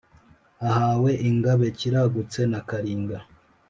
ahawe ingabe kiragutse na karinga.